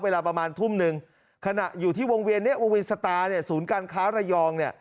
เวลาประมาณทุ่มหนึ่งขณะอยู่ที่วงเวียนเน็ตวงเวียนสตาร์สูญการค้าระยอง